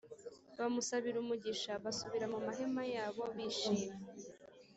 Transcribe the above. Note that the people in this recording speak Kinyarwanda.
bamusabira umugisha basubira mu mahema yabo bishima